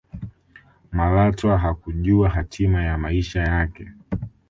malatwa hakujua hatima ya maisha yake